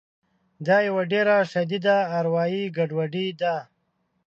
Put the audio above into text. دا یوه ډېره شدیده اروایي ګډوډي ده